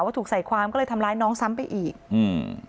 ถูกใส่ความก็เลยทำร้ายน้องซ้ำไปอีกอืม